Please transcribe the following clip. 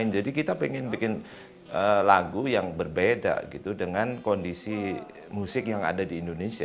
jadi kami ingin membuat lagu yang berbeda dengan kondisi musik yang ada di indonesia